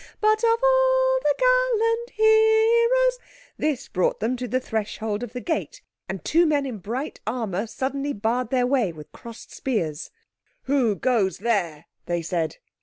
But of all the gallant heroes..." This brought them to the threshold of the gate, and two men in bright armour suddenly barred their way with crossed spears. "Who goes there?" they said.